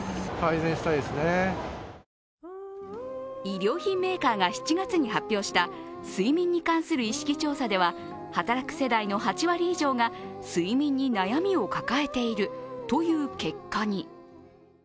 医療品メーカーが７月に発表した睡眠に関する意識調査では働く世代の８割以上が睡眠に悩みを抱えているという結果に。